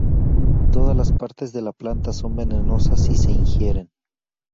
Todas las partes de la planta son venenosas si se ingieren.